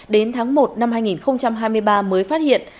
đến tháng một năm hai nghìn hai mươi ba mới phát hiện